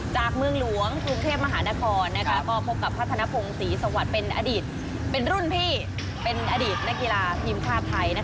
จากเมืองลวงบรุงเทพมหานครนะครับก็พบกับพัฒนภงศรีรุ่นพี่เป็นอดีตทีมศาสตร์ไทย